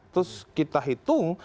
terus kita hitung